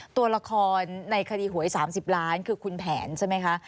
ตัวละครในคดีหวย๓๐ล้านคือคุณแผนใช่ไหมคะ